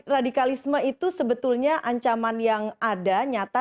radikalisme itu sebetulnya ancaman yang ada nyata